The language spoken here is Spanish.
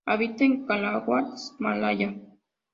Habita en Sarawak y Malaya.